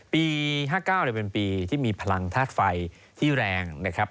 ปี๕๙เป็นปีที่มีพลังธาตุไฟที่แรงนะครับ